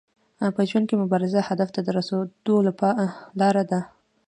په ژوند کي مبارزه هدف ته د رسیدو لار ده.